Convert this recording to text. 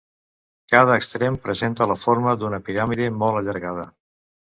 Cada extrem presenta la forma d'una piràmide molt allargada.